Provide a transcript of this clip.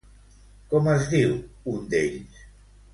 Com es diu un d'ells?